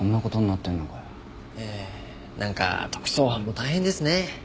なんか特捜班も大変ですね。